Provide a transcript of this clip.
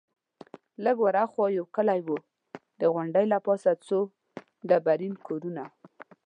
لږ ورهاخوا یو کلی وو، د غونډۍ له پاسه څو ډبرین کورونه.